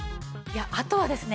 あとはですね